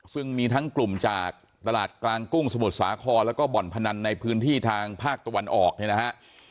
ซึ่งมีทั้งกลุ่มจากตลาดกลางกุ้งสมุทรสาครแล้วก็บ่อนพนันในพื้นที่ทางภาคตะวันออกเนี่ยนะฮะ